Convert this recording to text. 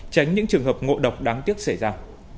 tránh những trường hợp ngộ độc đáng tiếc xảy ra